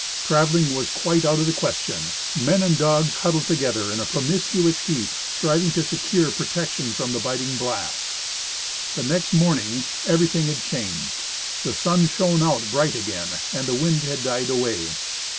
Traveling was quite out of the question ; men and dogs huddled together in a pro miscuous heap, striving to secure protection from the biting blast. The next morning everything had changed ; the sun shone out bright again, and the wind had died away.